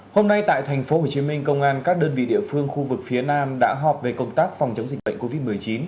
hôm nay tại tp hcm công an các đơn vị địa phương khu vực phía nam đã họp về công tác phòng chống dịch bệnh covid một mươi chín